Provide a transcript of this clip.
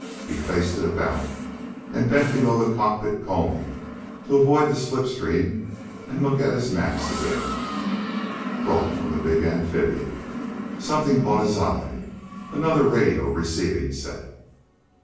He faced it about, and bent below the cockpit combing to avoid the slip stream and look at his maps again, brought from the big amphibian. Something caught his eye. Another radio receiving set.